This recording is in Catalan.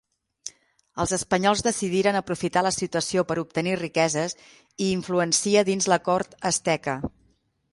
Els espanyols decidiren aprofitar la situació per obtenir riqueses i influencia dins la cort asteca.